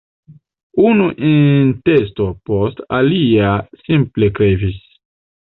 Unu intesto post alia simple krevis.